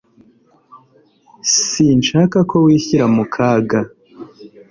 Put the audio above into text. Sinshaka ko wishyira mu kaga.